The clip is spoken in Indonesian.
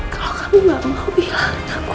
kalau kamu nggak mau bilang ke aku